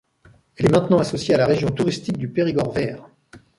Elle est maintenant associée à la région touristique du Périgord vert.